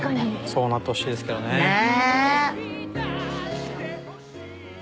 そうなってほしいですけどね。ねぇ。